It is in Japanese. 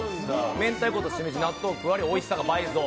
明太子とシメジに納豆が加わりおいしさ倍増！